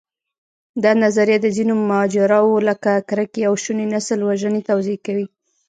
دا نظریه د ځینو ماجراوو، لکه کرکې او شونې نسلوژنې توضیح کوي.